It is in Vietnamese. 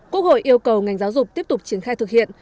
quốc hội yêu cầu ngành giáo dục tiếp tục triển khai thực hiện